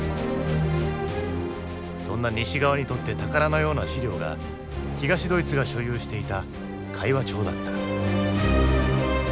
そんな西側にとって宝のような資料が東ドイツが所有していた会話帳だった。